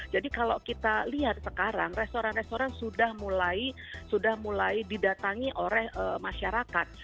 jadi kalau kita lihat sekarang restoran restoran sudah mulai didatangi oleh masyarakat